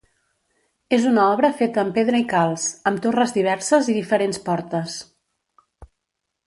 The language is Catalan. És una obra feta amb pedra i calç, amb torres diverses i diferents portes.